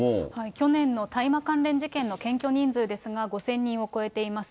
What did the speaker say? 去年の大麻関連事件の検挙人数ですが、５０００人を超えています。